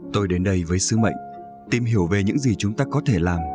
tôi đến đây với sứ mệnh tìm hiểu về những gì chúng ta có thể làm